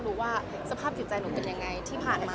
ดูสภาพหยิบใจหนูเป็นยังไงที่ผ่านมา